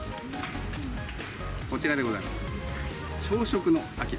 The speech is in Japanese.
こちらでございます。